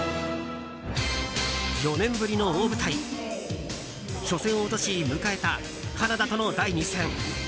４年ぶりの大舞台初戦を落とし迎えたカナダとの第２戦。